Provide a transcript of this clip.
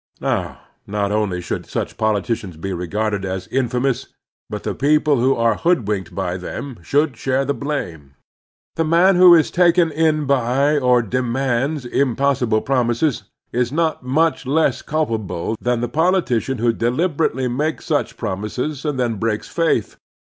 Now, not only shotild such politicians be regarded as infamous, but the people who are hoodwinked by them shotild share the blame. The man who is taken in by, or demands, impossible promises is not much less culpable than the politician who deliberately makes such prom ises and then breaks faith.